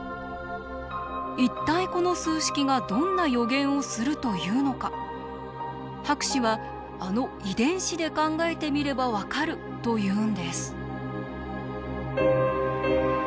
一体この数式がどんな予言をするというのか博士はあの遺伝子で考えてみれば分かるというんです。